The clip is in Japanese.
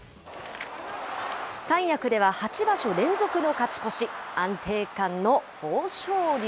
三役では８場所連続の勝ち越し、安定感の豊昇龍。